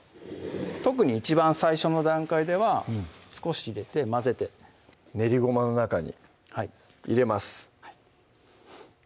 特に一番最初の段階では少し入れて混ぜて練りごまの中に入れます